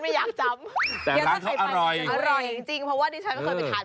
ไม่เล่าทำผิด